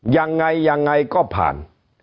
อย่างไงก็ผ่าน